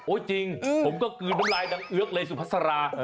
จริงผมก็กลืนน้ำลายดังเอือกเลยสุภาษา